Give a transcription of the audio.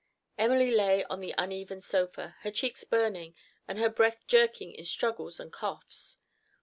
Emily lay on the uneven sofa, her cheeks burning, and her breath jerking in struggles and coughs.